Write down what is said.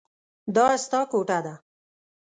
دا ستا کوټه ده.